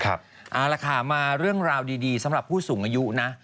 เอาละค่ะมาเรื่องราวดีสำหรับผู้สูงอายุนะ